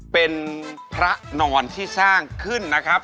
เป็นพระนอนที่สร้างขึ้นนะครับ